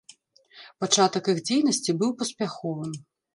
Пачатак іх дзейнасці быў паспяховым.